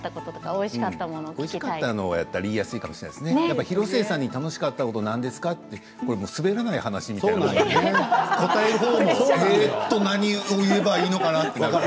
おいしいものだったら言いやすいかもしれないですね、広末さんに楽しかったことなんですか？って言われたら滑らない話答えるほうも何を言えばいいのかなって。